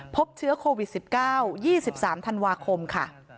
พบเชื้อโควิด๑๙๒๓ธันวาคมค่ะ